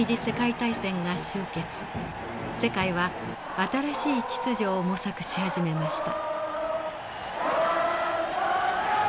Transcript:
世界は新しい秩序を模索し始めました。